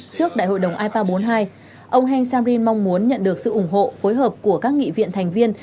trước đại hội đồng ipa bốn mươi hai ông heng samrin mong muốn nhận được sự ủng hộ phối hợp của các nghị viện thành viên